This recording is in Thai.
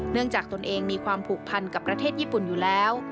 จากตนเองมีความผูกพันกับประเทศญี่ปุ่นอยู่แล้ว